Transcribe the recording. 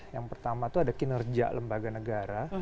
yang pertama itu ada kinerja lembaga negara